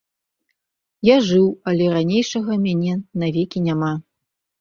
Я жыў, але ранейшага мяне навекі няма.